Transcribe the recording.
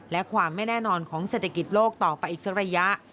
และความไม่แน่นอนของเศรษฐกิจโลกต่อไปอีกสักระยะ